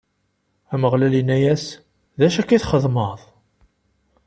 Ameɣlal inna-yas: D acu akka i txedmeḍ?